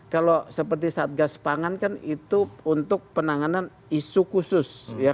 kalau seperti satgas pangan kan itu untuk penanganan isu khusus